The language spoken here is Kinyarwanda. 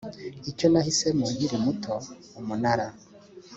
icyo nahisemo nkiri muto umunara